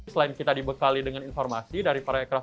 selain kita dibekali dengan informasi dari parekraf